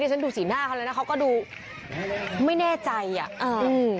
เดี๋ยวฉันดูสินะเถอะเลยนะเขาก็ดูไม่แน่ใจอ่ะอืม